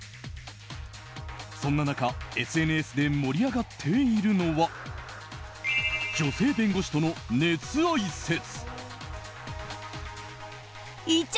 そんな中ＳＮＳで盛り上がっているのは女性弁護士との熱愛説。